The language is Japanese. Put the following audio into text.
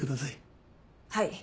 はい。